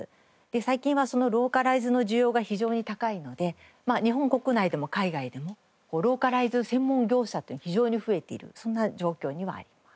最近はそのローカライズの需要が非常に高いので日本国内でも海外でもローカライズ専門業者っていうのが非常に増えているそんな状況にはあります。